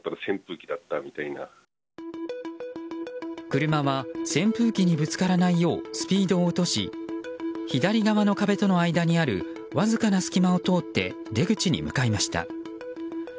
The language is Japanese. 車は扇風機にぶつからないようスピードを落とし左側の壁との間にあるわずかな隙間を通って出口に向かいました。